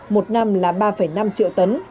một năm là ba năm triệu tấn